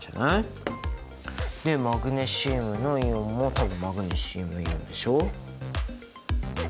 でマグネシウムのイオンも多分「マグネシウムイオン」でしょ？